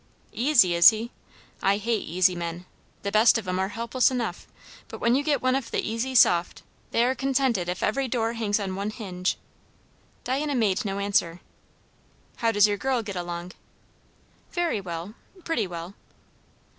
"Easy, is he? I hate easy men! The best of 'em are helpless enough; but when you get one of the easy soft, they are consented if every door hangs on one hinge." Diana made no answer. "How does your girl get along?" "Very well. Pretty well."